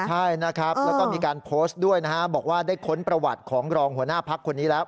ใช่นะครับแล้วก็มีการโพสต์ด้วยนะฮะบอกว่าได้ค้นประวัติของรองหัวหน้าพักคนนี้แล้ว